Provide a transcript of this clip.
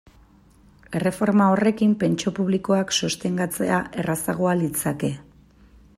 Erreforma horrekin, pentsio publikoak sostengatzea errazagoa litzateke.